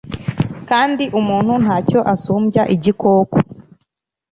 kandi umuntu nta cyo asumbya igikoko